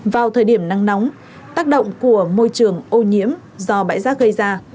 vào thời điểm nắng nóng tác động của môi trường ô nhiễm do bãi rác gây ra